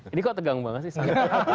ini kok tegang banget sih saya